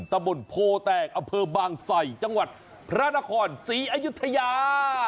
ตะบนโพแตกอำเภอบางไสจังหวัดพระนครศรีอยุธยา